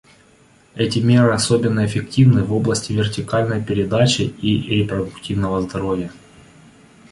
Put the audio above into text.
Эти меры особенно эффективны в области вертикальной передачи и репродуктивного здоровья.